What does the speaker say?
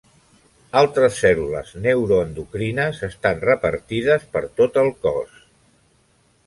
Altres cèl·lules neuroendocrines estan repartides per tot el cos.